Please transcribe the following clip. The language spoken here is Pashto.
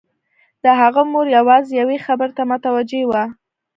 د هغه مور يوازې يوې خبرې ته متوجه وه.